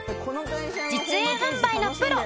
実演販売のプロ！